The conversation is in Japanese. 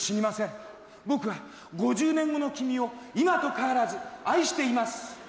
僕は５０年後の君を今と変わらず愛しています」。